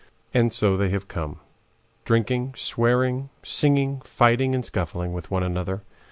And so they have come, drinking, swearing, singing, fighting and scuffling with one another.